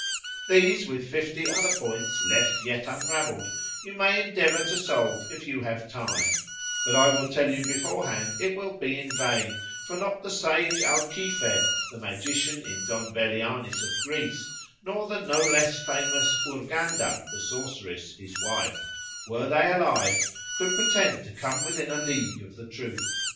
—These, with fifty other points left yet unravelled, you may endeavour to solve if you have time;——but I tell you beforehand it will be in vain, for not the sage Alquise, the magician in Don Belianis of Greece, nor the no less famous Urganda, the sorceress his wife, (were they alive) could pretend to come within a league of the truth.